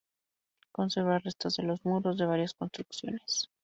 Conserva restos de los muros de varias construcciones.